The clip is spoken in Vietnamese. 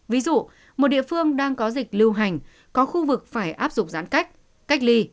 ví dụ một địa phương đang có dịch lưu hành có khu vực phải áp dụng giãn cách cách ly